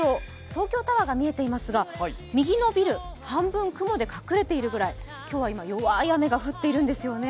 東京タワーが見えていますが右のビル、半分雲で隠れているぐらい今日は弱い雨が降っているんですよね。